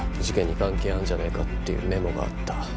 事件に関係あんじゃねぇかっていうメモがあった。